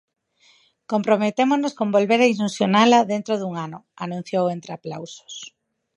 Comprometémonos con volver a ilusionala dentro dun ano, anunciou entre aplausos.